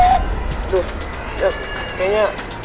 aduh kayaknya gue pulang aja ya